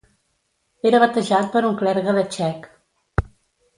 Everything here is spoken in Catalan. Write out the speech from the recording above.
Era batejat per un clergue de txec.